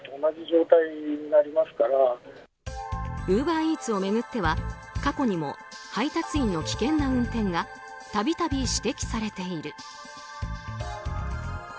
ウーバーイーツを巡っては過去にも配達員の危険な運転が度々指摘されている。